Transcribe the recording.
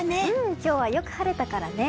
今日はよく晴れたからね。